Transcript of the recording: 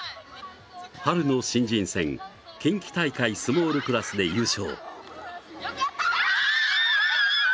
春の新人戦近畿大会スモールクラスで優勝。